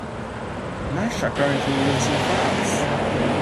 Masha currently lives in France.